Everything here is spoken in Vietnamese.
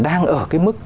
đang ở cái mức